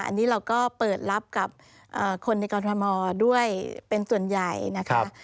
อันนี้เราก็เปิดรับกับคนในกรทมด้วยเป็นส่วนใหญ่นะคะ